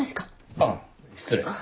ああ失礼。